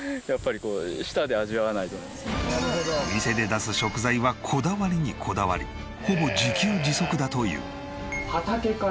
店で出す食材はこだわりにこだわりほぼ自給自足だという。